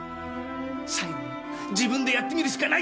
最後には自分でやってみるしかないって。